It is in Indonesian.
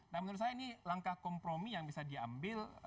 nah menurut saya ini langkah kompromi yang bisa diambil